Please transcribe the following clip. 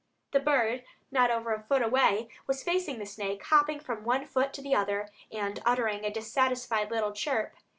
The bird, not over a foot away, was facing the snake, hopping from one foot to the other, and uttering a dissatisfied little chirp.